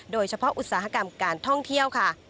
โดยเฉพาะอุตสาหกรรมการท่องเที่ยว